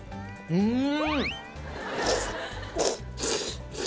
うん！